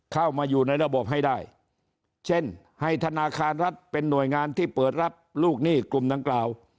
เข้ามาอยู่ในระบบให้ได้เช่นให้ธนาคารรัฐเป็นหน่วยงานที่เปิดรับลูกหนี้กลุ่มดังกล่าว